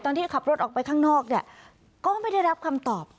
ที่ขับรถออกไปข้างนอกเนี่ยก็ไม่ได้รับคำตอบ